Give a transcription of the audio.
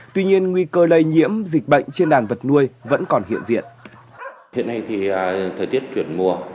tuy nhiên nguy cơ lây nhiễm dịch bệnh trên đàn vật nuôi vẫn còn hiện diện